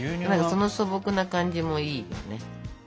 その素朴な感じもいいよね。